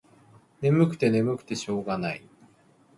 ねむくてねむくてしょうがない。